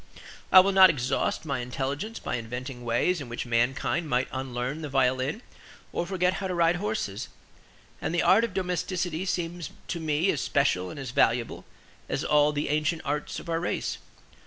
I will not exhaust my intelligence by inventing ways in which mankind might unlearn the violin or forget how to ride horses; and the art of domesticity seems to me as special and as valuable as all the ancient arts of our race.